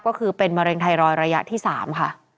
ก็คือเป็นมะเร็งไทรอยดระยะที่๓ค่ะ